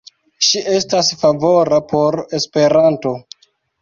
Ŝi estas favora por Esperanto.